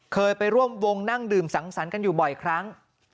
เคยไปร่วมวงนั่งดื่มสังสรรค์กันอยู่บ่อยครั้ง